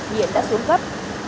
nhưng đã xuống cấp